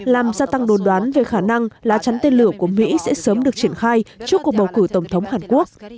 làm gia tăng đồn đoán về khả năng lá chắn tên lửa của mỹ sẽ sớm được triển khai trước cuộc bầu cử tổng thống hàn quốc